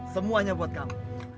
semuanya buat kamu